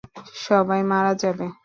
সবাই মারা যাবে।